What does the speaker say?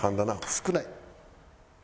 少ない。